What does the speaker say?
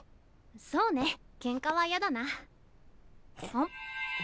そうねケンカはいやだな。